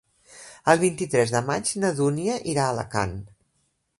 El vint-i-tres de maig na Dúnia irà a Alacant.